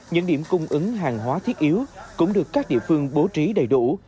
những điểm cung ứng hàng hóa thiết yếu cũng được các địa phương bố trí đầy đủ